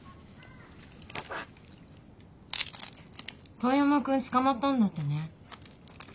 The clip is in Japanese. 遠山君捕まったんだってね。